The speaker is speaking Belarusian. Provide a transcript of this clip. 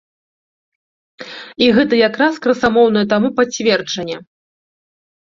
І гэта якраз красамоўнае таму пацверджанне.